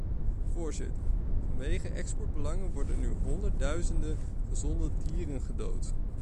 Voorzitter, vanwege exportbelangen worden nu honderdduizenden gezonde dieren gedood.